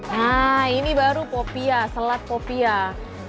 nah ini baru popia selat popiah